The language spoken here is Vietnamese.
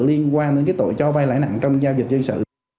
liên quan đến tội cho vay lãi nặng trong giao dịch dân sự